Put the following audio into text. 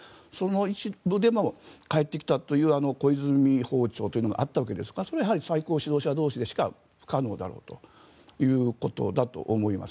一部でも帰ってきたという小泉訪朝もあったわけですからそれは最高指導者同士でしか不可能だろうということだと思います。